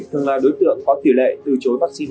thường là đối tượng có tỷ lệ từ chối vắc xin